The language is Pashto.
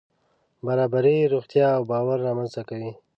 برابري روغتیا او باور رامنځته کوي.